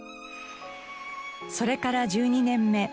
それから１２年目。